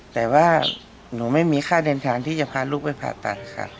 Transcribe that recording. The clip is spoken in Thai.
แต่ว่าหนูไม่มีค่าเดินทางที่จะพาลูกไปผ่าตัดค่ะ